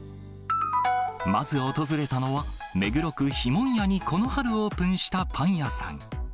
まず訪れたのは、目黒区碑文谷にこの春オープンしたパン屋さん。